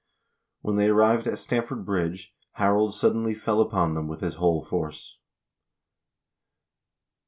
When they arrived at Stamford Bridge, Harold suddenly fell upon them with his whole force.